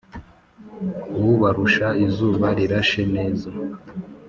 ubarusha izuba rirashe neza